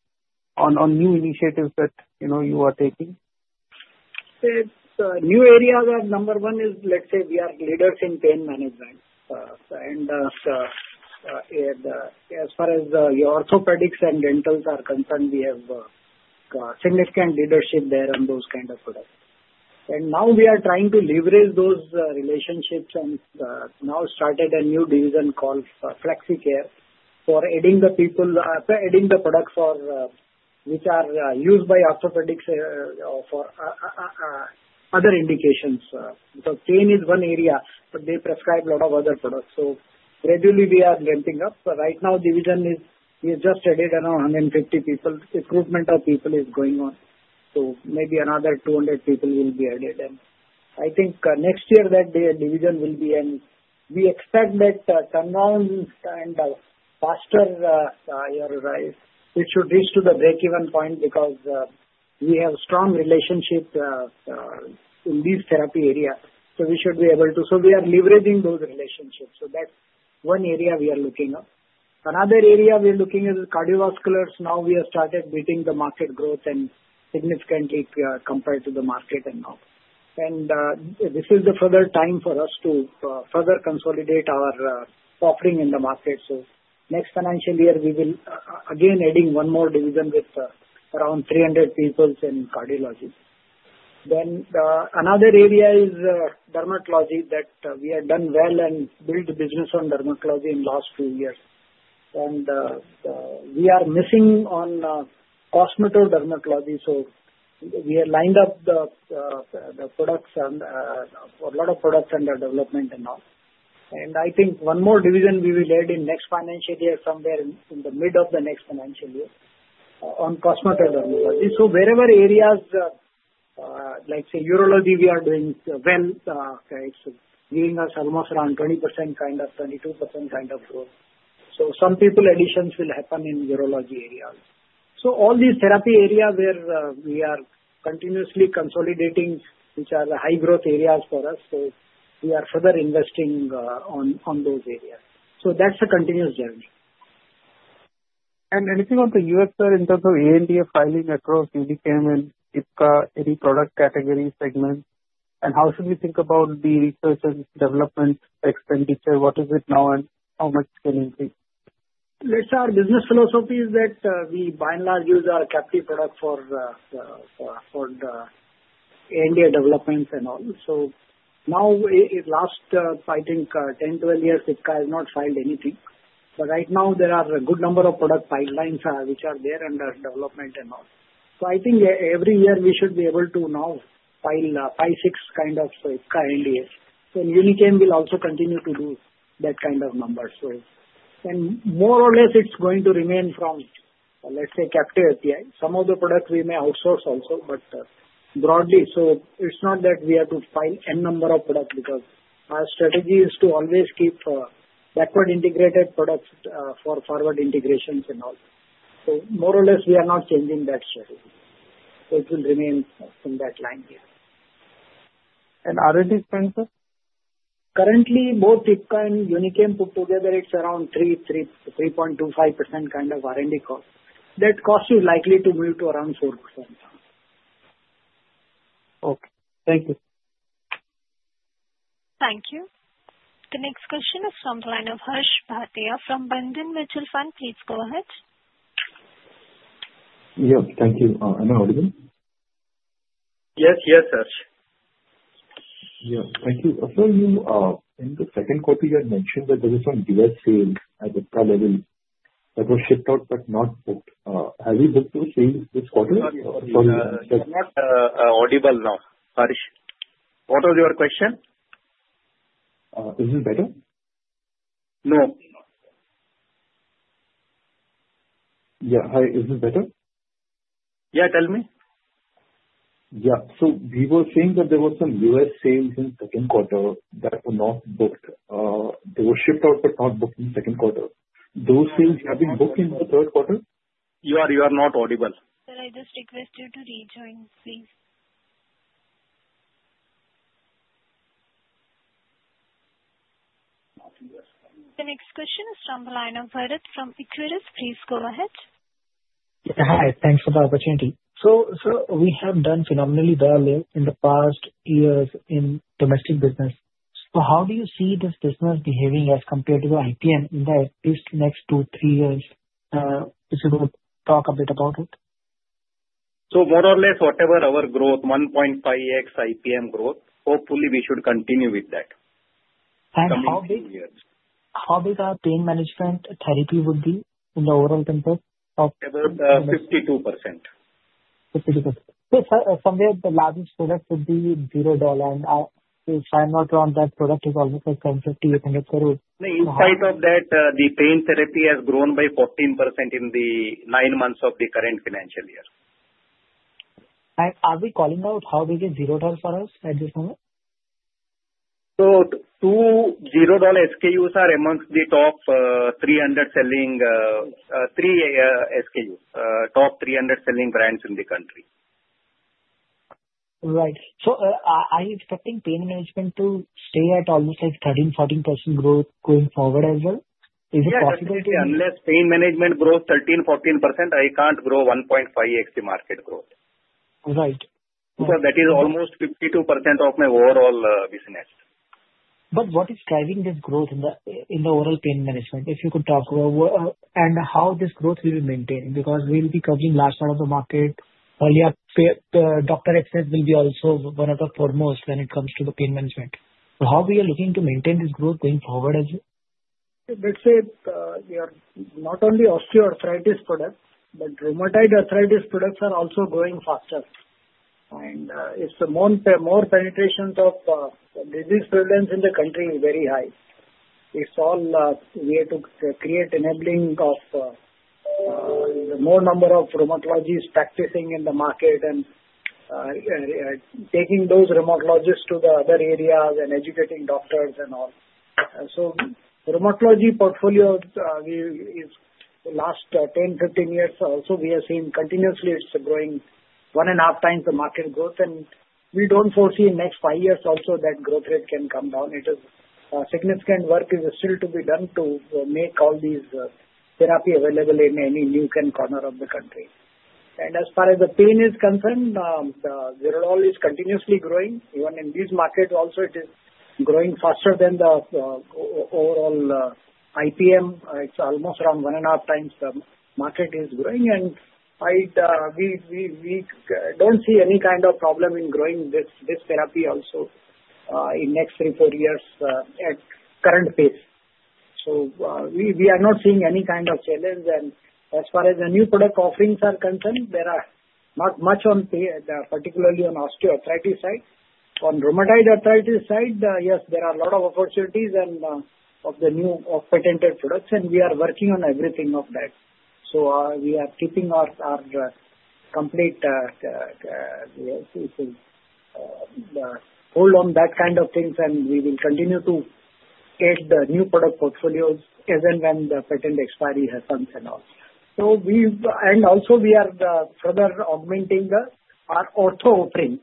S11: on new initiatives that you are taking.
S3: New areas are. Number one is, let's say, we are leaders in pain management. And as far as the orthopedics and dentals are concerned, we have significant leadership there on those kinds of products. And now we are trying to leverage those relationships and now started a new division called Flexicare for adding the products which are used by orthopedics for other indications. So pain is one area, but they prescribe a lot of other products. So gradually, we are ramping up. Right now, the division is just added around 150 people. The recruitment of people is going on. So maybe another 200 people will be added. And I think next year, that division will be ended. We expect that turnout and faster higher rise. It should reach to the break-even point because we have a strong relationship in these therapy areas. So we should be able to. So we are leveraging those relationships. So that's one area we are looking at. Another area we're looking at is cardiovasculars. Now we have started beating the market growth and significantly compared to the market and all. And this is the further time for us to further consolidate our offering in the market. So next financial year, we will again add one more division with around 300 people in cardiology. Then another area is dermatology that we have done well and built the business on dermatology in the last few years. And we are missing on cosmeto-dermatology. So we have lined up the products for a lot of products under development and all. And I think one more division we will add in next financial year somewhere in the mid of the next financial year on cosmeto-dermatology. So wherever areas, like say, urology, we are doing well, it's giving us almost around 20% kind of 22% kind of growth. So some people additions will happen in urology areas. So all these therapy areas where we are continuously consolidating, which are the high-growth areas for us. So we are further investing on those areas. So that's a continuous journey.
S11: Anything on the U.S., sir, in terms of ANDA filing across Unichem and Ipca, any product category segment? How should we think about the research and development expenditure? What is it now, and how much can increase?
S3: Let's say our business philosophy is that we by and large use our captive product for ANDA developments and all, so now, last, I think, 10, 12 years, Ipca has not filed anything, but right now, there are a good number of product pipelines which are there under development and all, so I think every year, we should be able to now file five, six kinds of Ipca ANDAs, and Unichem will also continue to do that kind of numbers, and more or less, it's going to remain from, let's say, captive API. Some of the products we may outsource also, but broadly, so it's not that we have to file N number of products because our strategy is to always keep backward integrated products for forward integrations and all, so more or less, we are not changing that strategy, so it will remain in that line here.
S11: R&D spend, sir?
S3: Currently, both Ipca and Unichem put together, it's around 3.25% kind of R&D cost. That cost is likely to move to around 4%.
S11: Okay. Thank you.
S1: Thank you. The next question is from the line of Harsh Bhatia from Bandhan Mutual Fund. Please go ahead.
S12: Yes. Thank you. I'm audible?
S3: Yes. Yes, Harsh.
S12: Yes. Thank you. So in the second quarter, you had mentioned that there was some U.S. sales at a level that was shipped out but not booked. Have you booked those sales this quarter?
S9: Sorry. It's not audible now, Harsh. What was your question?
S12: Is it better?
S9: No.
S12: Yeah. Hi. Is it better?
S9: Yeah. Tell me.
S12: Yeah, so we were saying that there were some U.S. sales in the second quarter that were not booked. They were shipped out but not booked in the second quarter. Those sales have been booked in the third quarter?
S9: You are not audible.
S1: Sir, I just request you to rejoin, please. The next question is from the line of [Varit from Equirus. Please go ahead.
S13: Hi. Thanks for the opportunity. So we have done phenomenally well in the past years in domestic business. So how do you see this business behaving as compared to the IPM in the at least next two, three years? If you would talk a bit about it.
S9: So, more or less, whatever our growth, 1.5x IPM growth, hopefully, we should continue with that.
S13: How big? How big our pain management therapy would be in the overall compared to?
S9: About 52%.
S13: 52%. So somewhere, the largest product would be Zerodol. If I'm not wrong, that product is almost like around 5,800 per year.
S9: In spite of that, the pain therapy has grown by 14% in the nine months of the current financial year.
S13: Are we calling out how big is Zerodol for us at this moment?
S9: Two $0 SKUs are among the top 300 selling brands in the country.
S13: Right. So are you expecting pain management to stay at almost like 13%-14% growth going forward as well? Is it possible to?
S9: Basically, unless pain management grows 13%-14%, I can't grow 1.5x the market growth.
S13: Right.
S9: Because that is almost 52% of my overall business.
S13: But what is driving this growth in the overall pain management, if you could talk? And how this growth will be maintained? Because we'll be covering the latter part of the market. Earlier, the business will be also one of the foremost when it comes to the pain management. So how are we looking to maintain this growth going forward as well?
S3: Let's say not only osteoarthritis products, but rheumatoid arthritis products are also growing faster. And if the more penetration of disease prevalence in the country is very high, it's all we have to create enabling of the more number of rheumatologists practicing in the market and taking those rheumatologists to the other areas and educating doctors and all. So the rheumatology portfolio is last 10, 15 years also, we have seen continuously it's growing one and a half times the market growth. And we don't foresee in the next five years also that growth rate can come down. It is significant work is still to be done to make all these therapies available in any nook and corner of the country. And as far as the pain is concerned, the role is continuously growing. Even in this market also, it is growing faster than the overall IPM. It's almost around one and a half times the market is growing. And we don't see any kind of problem in growing this therapy also in the next three, four years at current pace. So we are not seeing any kind of challenge. And as far as the new product offerings are concerned, there are not much on particularly on osteoarthritis side. On rheumatoid arthritis side, yes, there are a lot of opportunities and of the new patented products. And we are working on everything of that. So we are keeping our complete hold on that kind of things. And we will continue to add the new product portfolios as and when the patent expiry happens and all. And also, we are further augmenting our Ortho offering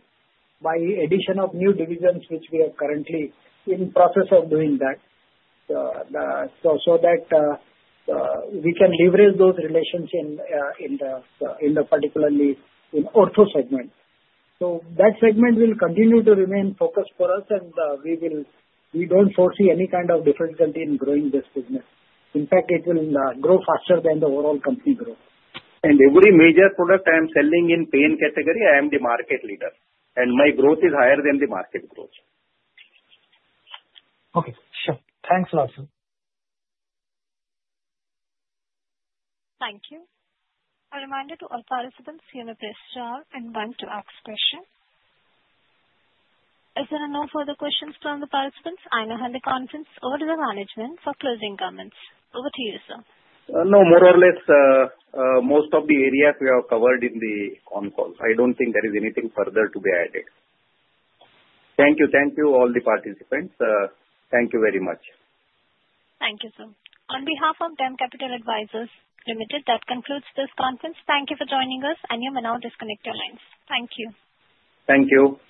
S3: by the addition of new divisions, which we are currently in the process of doing that so that we can leverage those relations in particular in the Ortho segment. So that segment will continue to remain focused for us. And we don't foresee any kind of difficulty in growing this business. In fact, it will grow faster than the overall company growth. And every major product I am selling in pain category, I am the market leader. And my growth is higher than the market growth.
S13: Okay. Sure. Thanks a lot, sir.
S1: Thank you. A reminder to all participants to press star one to ask questions. If there are no further questions from the participants, I now hand the conference over to the management for closing comments. Over to you, sir.
S9: No, more or less, most of the areas we have covered on the call. I don't think there is anything further to be added. Thank you. Thank you, all the participants. Thank you very much.
S1: Thank you, sir. On behalf of DAM Capital Advisors Limited, that concludes this conference. Thank you for joining us and you may now disconnect your lines. Thank you.
S3: Thank you.